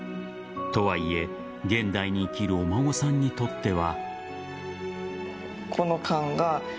とはいえ現代に生きるお孫さんにとっては。